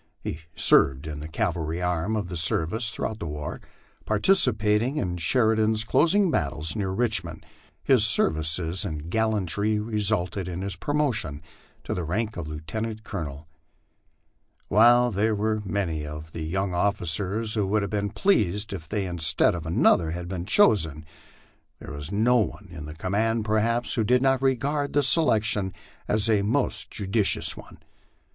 He served in the cavalry arm of the service through out the war, participating in Sheridan's closing battles near Richmond, his ser vices and gallantry resulting in his promotion to the rank of lieutenant colo nel. While there were many of the young officers who would have been pleased if they instead of another had been chosen, there was no one in the command, perhaps, who did not regard the selection as a most judicious one.